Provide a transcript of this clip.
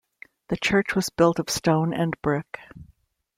The church was built of stone and brick.